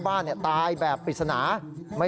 สายลูกไว้อย่าใส่